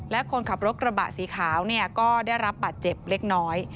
และคนขับรถกระบะสีขาวก็ได้รับบาดเจ็บเล็กน้อย